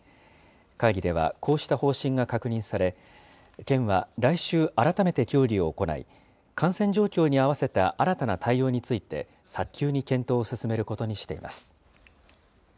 会議ではこうした方針が確認され、県は来週改めて協議を行い、感染状況に合わせた新たな対応について、早急に検討を進めることにしています。